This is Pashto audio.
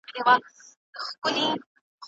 تولستوی د خپل وخت تر ټولو ازاد فکره انسان و.